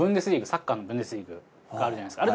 サッカーのブンデスリーガがあるじゃないですか。